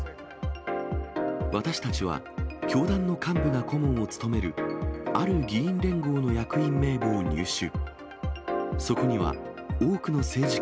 私たちは、教団の幹部が顧問を務める、ある議員連合の役員名簿を入手。